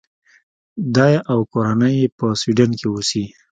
دی او کورنۍ یې په سویډن کې اوسي.